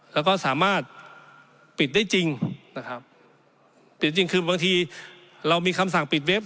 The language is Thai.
แล้วก็สามารถปิดได้จริงนะครับปิดจริงคือบางทีเรามีคำสั่งปิดเว็บ